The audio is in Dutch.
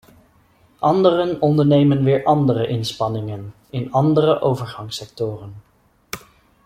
Anderen ondernemen weer andere inspanningen in andere overgangssectoren.